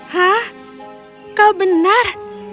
hah kau benar